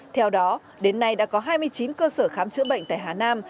theo đó đến nay đã có hai mươi chín cơ sở khám chữa bệnh tại hà nam